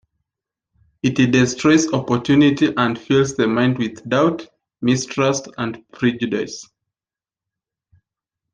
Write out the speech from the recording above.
It destroys opportunity and fills the mind with doubt, mistrust and prejudice.